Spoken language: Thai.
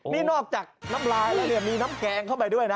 นี่นอกจากน้ำลายแล้วเนี่ยมีน้ำแกงเข้าไปด้วยนะ